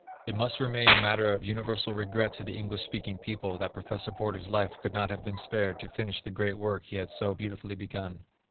It must remain a matter of universal regret to the English speaking people that Prof. Porter's life could not have been spared to finish the great work he had so beautifully begun.